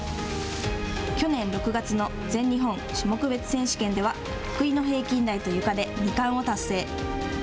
去年６月の全日本種目別選手権では得意の平均台とゆかで二冠を達成。